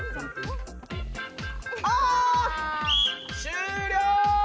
終了！